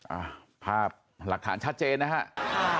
อ่าภาพหลักฐานชัดเจนนะครับ